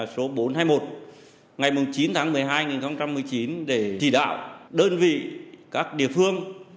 số bốn trăm hai mươi một ngày chín tháng một mươi hai hai nghìn một mươi chín để chỉ đạo đơn vị các địa phương